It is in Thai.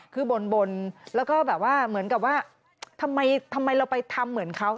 คือบ่นแล้วก็แบบว่าเหมือนกับว่าทำไมเราไปทำเหมือนเขา